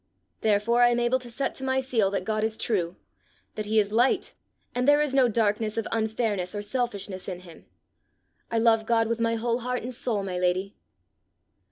Therefore I am able to set to my seal that God is true that he is light, and there is no darkness of unfairness or selfishness in him. I love God with my whole heart and soul, my lady."